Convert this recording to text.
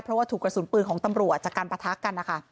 เพราะว่าถูกกระสุนปืนของตำรวจจากการปะทะกันนะคะ